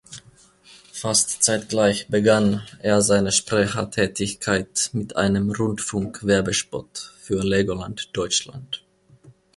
Fast zeitgleich begann er seine Sprecher-Tätigkeit mit einem Rundfunk-Werbespot für Legoland Deutschland.